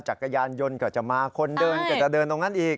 จักรยานยนต์ก็จะมาคนเดินก็จะเดินตรงนั้นอีก